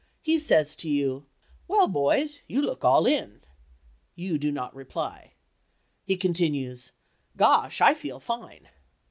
He says to you, "Well, boys, you look all in." You do not reply. He continues, "Gosh, I feel fine."